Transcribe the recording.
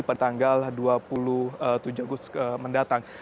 pada tanggal dua puluh tujuh agustus mendatang